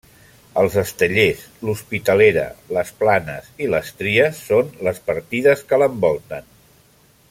Els Estellers, l'Hospitalera, les Planes i les Tries són les partides que l'envolten.